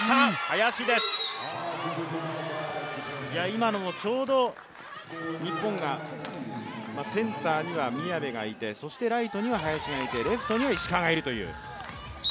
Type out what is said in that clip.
今のもちょうど日本がセンターには宮部がいてライトには林がいて、レフトには石川がいるという。